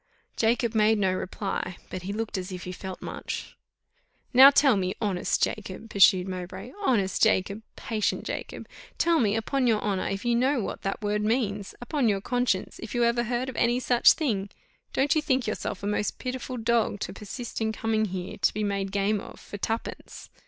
Jacob made no reply, but he looked as if he felt much. "Now tell me, honest Jacob," pursued Mowbray, "honest Jacob, patient Jacob, tell me, upon your honour, if you know what that word means upon your conscience, if you ever heard of any such thing don't you think yourself a most pitiful dog, to persist in coming here to be made game of for twopence?